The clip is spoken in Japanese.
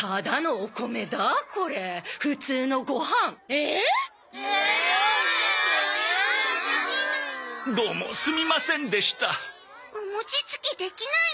お餅つきできないの？